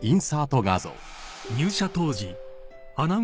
［入社当時］